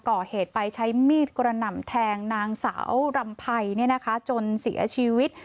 ก่อเหตุไปใช้มีดกระหน่ำแทงนางสาวรำไพรจนเสียชีวิต